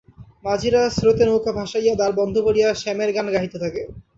মাঝিরা স্রোতে নৌকা ভাসাইয়া দাঁড় বন্ধ করিয়া শ্যামের গান গাহিতে থাকে।